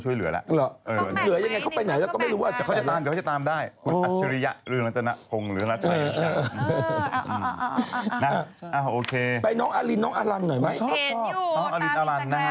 เหลือเหยื่อชายกรรมจะเข้ามาช่วยเหลือนะ